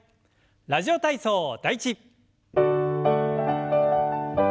「ラジオ体操第１」。